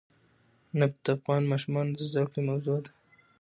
نفت د افغان ماشومانو د زده کړې موضوع ده.